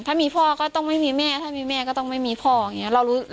ถ้ามีพ่อก็ต้องไม่มีแม่ถ้ามีแม่ก็ต้องไม่มีพ่ออย่างนี้